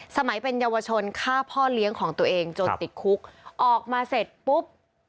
สมัยเป็นเยาวชนฆ่าพ่อเลี้ยงของตัวเองจนติดคุกออกมาเสร็จปุ๊บ